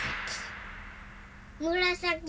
むらさき！